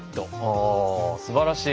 おすばらしい。